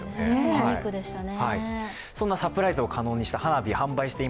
ユニークでしたね。